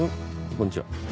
こんにちは。